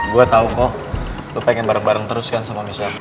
gue tahu kok lo pengen bareng bareng terus kan sama michelle